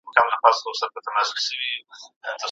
هو څېړنه د ستونزو حل لټوي.